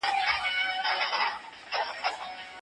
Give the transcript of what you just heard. زه سم مجـرم يــمه اقــرار كــــــومه